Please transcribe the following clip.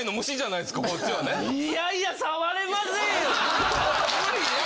いやいや触れませんよ。